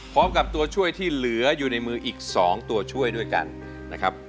ตัวช่วยที่เหลืออยู่ในมืออีก๒ตัวช่วยด้วยกันนะครับ